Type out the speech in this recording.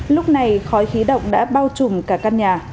lúc này khói khí động đã bao trùm cả căn nhà